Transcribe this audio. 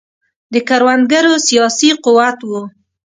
د کروندګرو سیاسي قوت و.